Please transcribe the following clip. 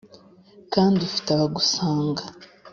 kandi ufite abagusanga